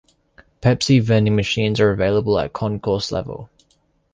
Pepsi vending machines are available at concourse level.